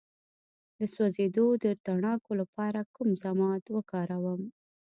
د سوځیدو د تڼاکو لپاره کوم ضماد وکاروم؟